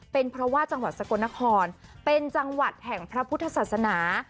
เป็นเพราะว่าจังหวัดสกลนครเป็นจังหวัดแห่งพระพุทธศาสนา